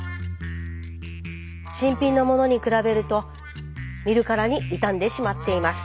新品のものに比べると見るからに傷んでしまっています。